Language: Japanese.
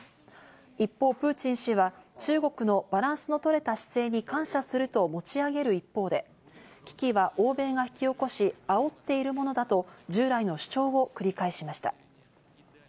一方、プーチン氏は中国のバランスの取れた姿勢に感謝すると持ち上げる一方で、危機は欧米が引き起こし煽っているものだと、従来の主張を繰り返しました。